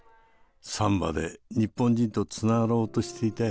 サンバで日本人とつながろうとしていたよね。